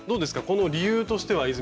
この理由としては泉さん？